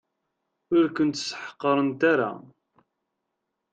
Ur kent-ssḥeqrent ara.